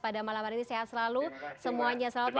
pada malam hari ini sehat selalu semuanya selamat malam